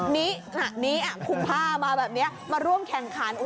นี่คุมผ้ามาแบบนี้มาร่วมแข่งขัน